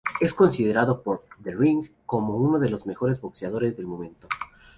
Es considerado por "The Ring" como uno de los mejores boxeadores del momento.